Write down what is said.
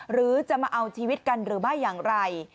หรือจะมาเอาชีวิตกันหรือไม่อย่างไร